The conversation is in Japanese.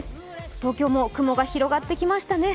東京も雲が広がってきましたね。